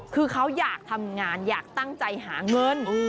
คือเขาอยากทำงานอยากตั้งใจหาเงิน